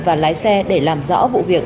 và lái xe để làm rõ vụ việc